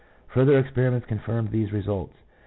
Further experiments confirmed these results.